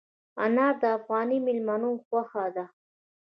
انار د افغاني مېلمنو خوښه ده.